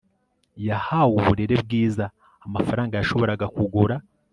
yahawe uburere bwiza amafaranga yashoboraga kugura